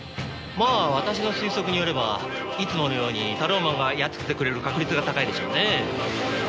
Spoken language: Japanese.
まあ私の推測によればいつものようにタローマンがやっつけてくれる確率が高いでしょうね。